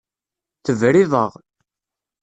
Tebriḍ-aɣ.